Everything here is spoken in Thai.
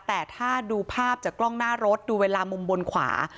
แต่ถ้าดูภาพจากกล้องหน้ารถดูเวลามุมบนขวา